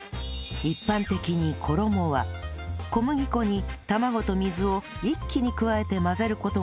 一般的に衣は小麦粉に卵と水を一気に加えて混ぜる事が多いと思いますが